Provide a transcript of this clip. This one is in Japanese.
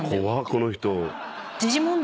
この人。